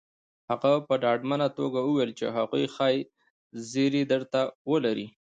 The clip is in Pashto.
هغه په ډاډمنه توګه وويل چې هغوی ښايي زيری درته ولري